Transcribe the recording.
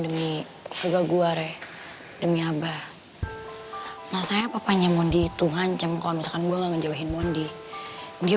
demi juga gua re demi aba masanya papanya mondi itu hancur kalau misalkan gue ngejauhin mondi dia